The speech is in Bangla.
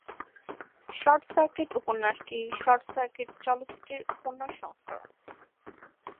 শর্ট সার্কিট উপন্যাসটি শর্ট সার্কিট চলচ্চিত্রের উপন্যাস সংস্করণ।